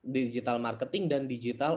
digital marketing dan digital